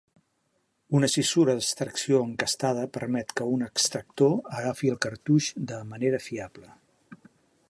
Una cissura d'extracció encastada permet que un extractor agafi el cartutx de manera fiable.